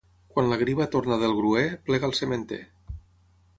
Quan la griva torna del gruer, plega el sementer.